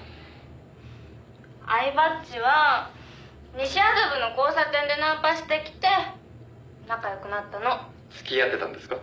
「饗庭っちは西麻布の交差点でナンパしてきて仲良くなったの」「付き合ってたんですか？」